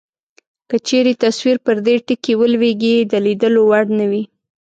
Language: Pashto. که چیرې تصویر پر دې ټکي ولویږي د لیدلو وړ نه وي.